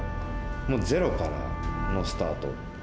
ゼロからのスタート。